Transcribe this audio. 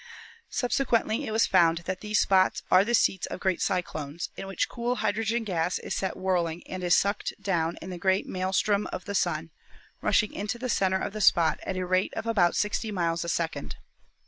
Subsequently it was found that these spots are the seats of great cyclones, in which cool hydrogen gas is set whirling and is sucked down in the great maelstrom of the Sun, rushing into the center of the spot at a rate of about 60 miles a second.